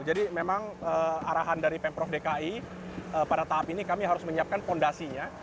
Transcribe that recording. jadi memang arahan dari pemprov dki pada tahap ini kami harus menyiapkan fondasinya